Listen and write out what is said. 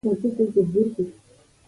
که یې ونه ولوستل، خپله به زیان وویني.